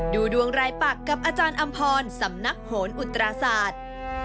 ดูดวงรายปักกับอาจารย์อำพรสำนักโหนอุตราศาสตร์